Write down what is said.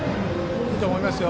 いいと思いますよ。